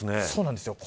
そうなんです。